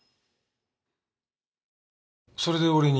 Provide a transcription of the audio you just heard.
それで俺に？